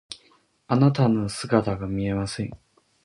あなたの姿が見えません。